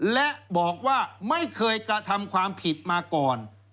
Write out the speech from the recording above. และบอกว่าไม่เคยกระทำความผิดมาก่อน